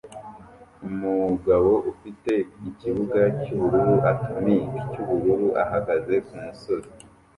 Umugabo ufite ikibuga cyubururu "atomic" cyubururu ahagaze kumusozi